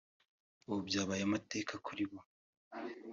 ubu byabaye amateka kuri bo